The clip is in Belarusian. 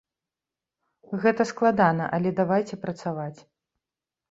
Гэта складана, але давайце працаваць.